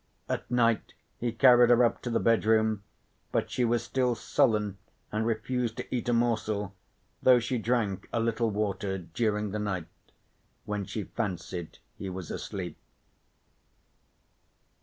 At night he carried her up to the bedroom, but she was still sullen and refused to eat a morsel, though she drank a little water during the night, when she fancied he was asleep.